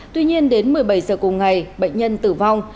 tuy nhiên đến một mươi bảy giờ cùng ngày bệnh nhân tử vong